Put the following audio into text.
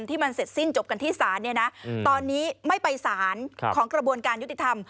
ที่มันเสร็จสิ้นจบกันที่ศาลตอนนี้ไม่ไปสารของกระบวนการยุติธรรม